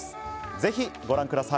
ぜひ、ご覧ください。